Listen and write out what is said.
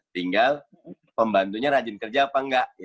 tinggal pembantunya rajin kerja apa enggak